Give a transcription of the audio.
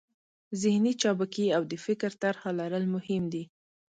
ذهني چابکي او د فکر طرحه لرل مهم دي.